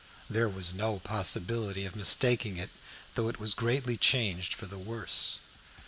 There was no possibility of mistaking it, though it was greatly changed for the worse.